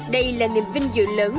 đây là niềm vinh dự lớn